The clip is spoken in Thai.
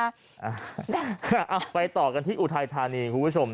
เอาไปต่อกันที่อุทัยธานีคุณผู้ชม